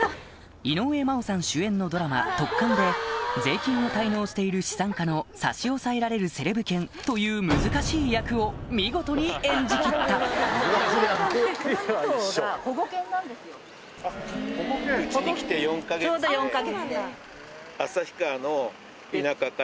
井上真央さん主演のドラマ『トッカン』で税金を滞納している資産家の差し押さえられるセレブ犬という難しい役を見事に演じきった５代目か。